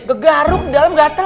begaruk dalam gatel